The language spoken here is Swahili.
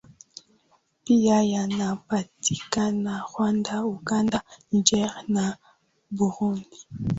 pia yanapatikana Rwanda Uganda Niger na Burundi